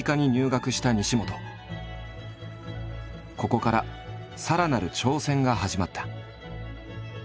ここからさらなる挑戦が始まった。